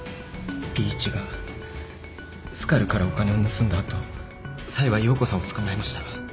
Ｂ一がスカルからお金を盗んだ後サイは葉子さんを捕まえました。